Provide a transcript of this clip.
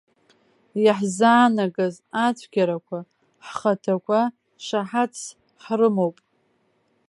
Иаҳзаанагаз ацәгьарақәа ҳхаҭақәа шаҳаҭс ҳрымоуп.